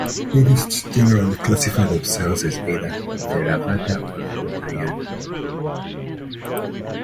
Buddhists generally classify themselves as either Theravada or Mahayana.